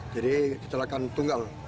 jadi celakan tunggal